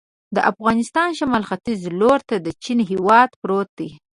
د افغانستان شمال ختیځ ته لور ته د چین هېواد پروت دی.